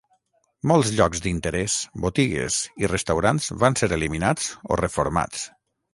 Molts llocs d'interès, botigues i restaurants van ser eliminats o reformats.